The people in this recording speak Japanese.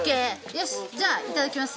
よしじゃあいただきます。